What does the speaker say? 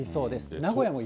名古屋も雪。